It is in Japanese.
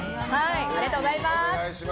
ありがとうございます。